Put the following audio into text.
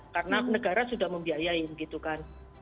karena negara sudah membiayain gitu kan